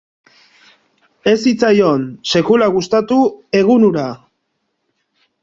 Ez zitzaion sekula gustatu egun hura.